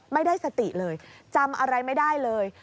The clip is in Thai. ไม่ได้สติเลยจำอะไรไม่ได้เลย